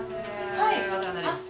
はい。